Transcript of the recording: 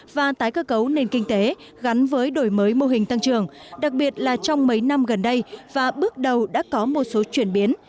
và tái cơ cấu nền kinh tế gắn với đổi mới mô hình tăng trường đặc biệt là trong mấy năm gần đây và bước đầu đã có một số chuyển biến